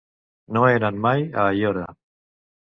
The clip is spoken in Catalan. No he anat mai a Aiora.